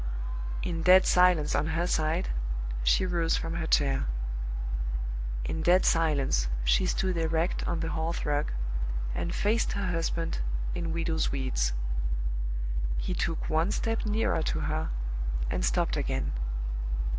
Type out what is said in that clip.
In dead silence on her side, she rose from her chair. In dead silence she stood erect on the hearth rug, and faced her husband in widow's weeds. He took one step nearer to her, and stopped again.